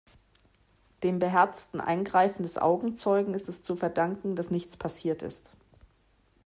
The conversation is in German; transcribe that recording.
Dem beherzten Eingreifen des Augenzeugen ist es zu verdanken, dass nichts passiert ist.